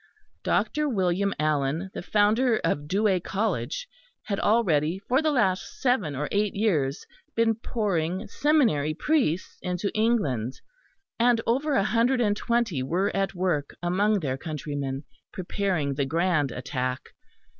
Dr. William Allen, the founder of Douai College, had already for the last seven or eight years been pouring seminary priests into England, and over a hundred and twenty were at work among their countrymen, preparing the grand attack.